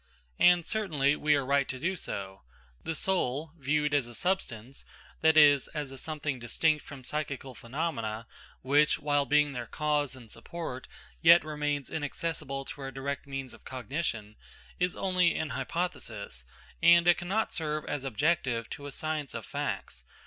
And, certainly, we are right to do so. The soul, viewed as a substance that is, as a something distinct from psychical phenomena, which, while being their cause and support, yet remains inaccessible to our direct means of cognition is only an hypothesis, and it cannot serve as objective to a science of facts.